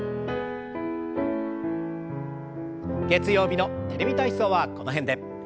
月曜日の「テレビ体操」はこの辺で。